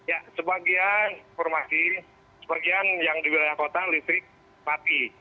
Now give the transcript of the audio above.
ya sebagian informasi sebagian yang di wilayah kota listrik mati